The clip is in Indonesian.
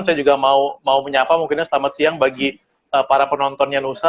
saya juga mau menyapa mungkin selamat siang bagi para penontonnya nusa